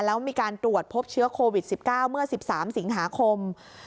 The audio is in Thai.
แล้วมีการตรวจพบเชื้อโควิด๑๙เมื่อ๑๓สิงหาคม